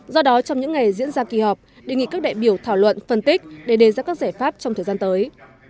do đó trong những ngày diễn ra kỳ họp đề nghị các đại biểu thảo luận phân tích để đề ra các giải pháp trong thời gian tới